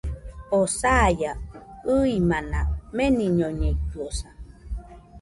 Oo saia, ɨimana meniñoñeitɨosa